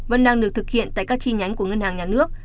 vẫn đang được thực hiện tại các chi nhánh của ngân hàng nhà nước